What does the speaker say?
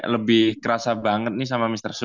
lebih kerasa banget nih sama mr susu